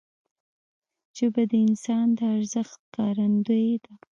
ژبه د انسان د ارزښت ښکارندوی ده